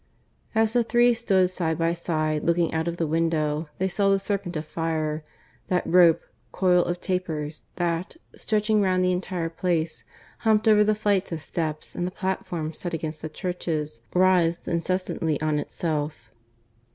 As the three stood side by side looking out of the window they saw the serpent of fire, that rope coil of tapers that, stretching round the entire Place, humped over the flights of steps and the platforms set amongst the churches, writhes incessantly on itself.